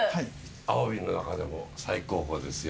アワビの中でも最高峰ですよ。